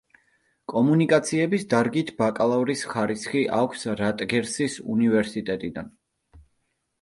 კომუნიკაციების დარგით ბაკალავრის ხარისხი აქვს რატგერსის უნივერსიტეტიდან.